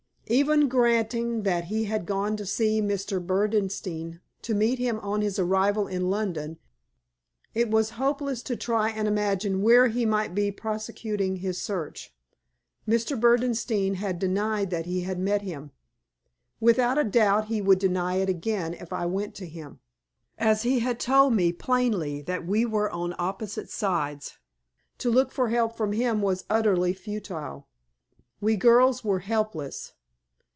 Even granting that he had gone to see Mr. Berdenstein, to meet him on his arrival in London, it was hopeless to try and imagine where he might be prosecuting his search. Mr. Berdenstein had denied that he had met him. Without a doubt he would deny it again if I went to him. As he had told me plainly that we were on opposite sides, to look for help from him was utterly futile. We girls were helpless.